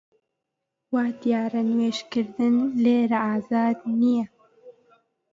وا دیارە نوێژ کردن لێرە ئازاد نییە